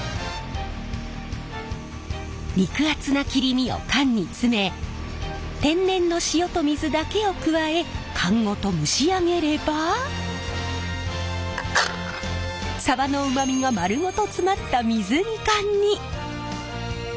肉厚な切り身を缶に詰め天然の塩と水だけを加え缶ごと蒸し上げればさばのうまみが丸ごと詰まった水煮缶に。